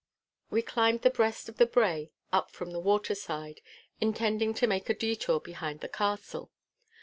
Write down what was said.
We climbed the breast of the brae up from the waterside, intending to make a detour behind the castle.